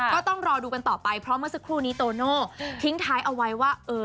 ก็ต้องรอดูกันต่อไปเพราะเมื่อสักครู่นี้โตโน่ทิ้งท้ายเอาไว้ว่า